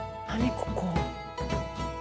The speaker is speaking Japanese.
ここ。